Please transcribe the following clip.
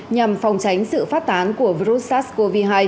nhằm phòng tránh sự phát tán của virus sars cov hai